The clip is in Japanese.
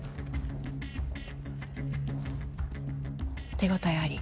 手応えあり。